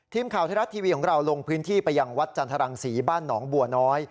ทีมข่าวไทยรัฐทีวีของเราลงพื้นที่ไปยังวัดจันทรังศรีบ้านหนองบัวน้อย